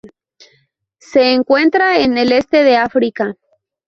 Se encuentra en el este de África.